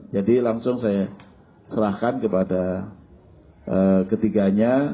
langsung saya serahkan kepada ketiganya